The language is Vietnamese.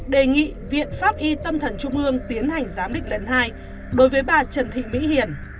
đề nghị viện pháp y tâm thần trung ương tiến hành giám định lần hai đối với bà trần thị mỹ hiền